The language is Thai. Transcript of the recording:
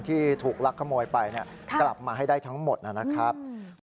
ที่ถูกลักขโมยไปกลับมาให้ได้ทั้งหมดนะครับ